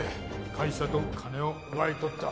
会社と金を奪い取った。